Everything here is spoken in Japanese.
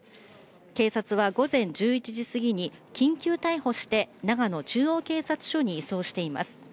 警察は午前１１時過ぎに、緊急逮捕して、長野中央警察署に移送しています。